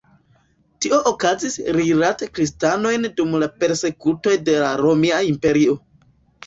Tio okazis rilate kristanojn dum la persekutoj de la Romia Imperio.